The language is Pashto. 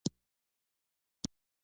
هرات د افغان کورنیو د دودونو مهم عنصر دی.